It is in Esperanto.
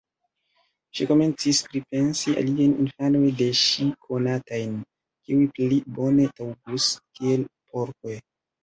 Ŝi komencis pripensi aliajn infanojn de ŝi konatajn, kiuj pli bone taŭgus kiel porkoj.